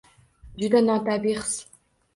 Juda notabiiy his